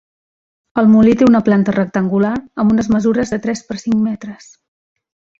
El molí té una planta rectangular amb unes mesures de tres per cinc metres.